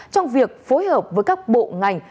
trong việc phối hợp với các bộ ngành